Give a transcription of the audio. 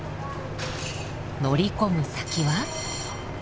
乗り込む先は。